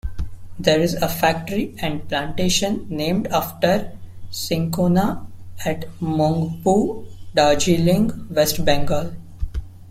There is a factory and plantation named after Cinchona at Mungpoo, Darjeeling, West Bengal.